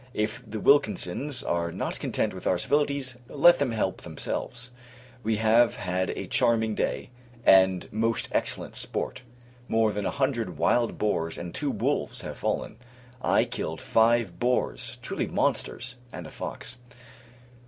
If the Wilkinsons are not content with our civilities, let them help themselves. We have had a charming day, and most excellent sport. More than a hundred wild boars, and two wolves, have fallen. I killed five boars, truly monsters! and a fox.